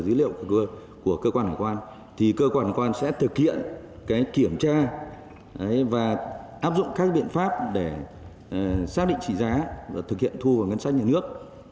giới thiệu của cơ quan quan thì cơ quan quan sẽ thực hiện kiểm tra và áp dụng các biện pháp để xác định trị giá và thực hiện thu vào ngân sách nhà nước